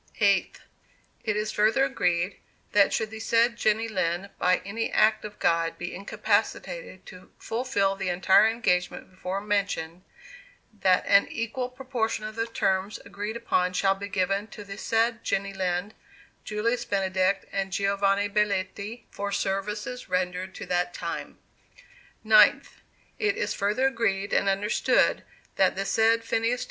8th. It is further agreed that should the said Jenny Lind by any act of God be incapacitated to fulfil the entire engagement before mentioned, that an equal proportion of the terms agreed upon shall be given to the said Jenny Lind, Julius Benedict, and Giovanni Belletti, for services rendered to that time. 9th. It is further agreed and understood, that the said Phineas T.